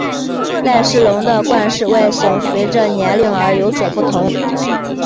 赖氏龙的冠饰外形随者年龄而有所不同。